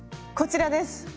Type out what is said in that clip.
こちらです！